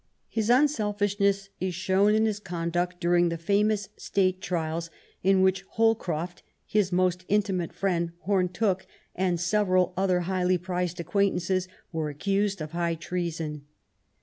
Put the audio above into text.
His unselfishness is shown in his conduct during the famous state trials, in which Holcroft, his most intimate friend, Home Tooke, and several other highly prized acquaintances, were accused of high trea son.